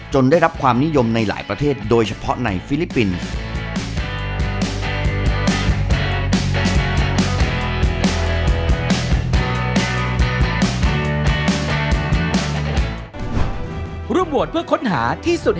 ได้รับความนิยมในหลายประเทศโดยเฉพาะในฟิลิปปินส์